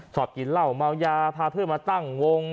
ชอบกินเหล้าเมายาพาเพื่อนมาตั้งวง